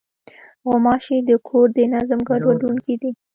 غوماشې د کور د نظم ګډوډوونکې دي.